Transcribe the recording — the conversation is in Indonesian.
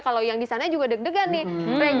kalau yang di sana juga deg degan nih regulasinya apa nih